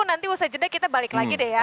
nanti usai jeda kita balik lagi deh ya